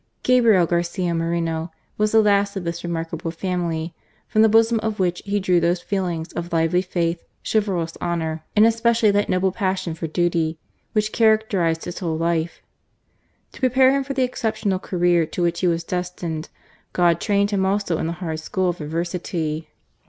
Gabriel Garcia Moreno was the last of this remarkable family, from the bosom of which he drew those feelings of lively faith, chivalrous honour, and especially that noble passion for duty, which characterized his whole life. To prepare him for the exceptional career to which he was destined God trained him also in the hard school of adversity.